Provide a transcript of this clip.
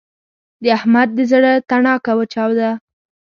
د احمد د زړه تڼاکه وچاوده.